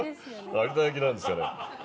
有田焼なんです。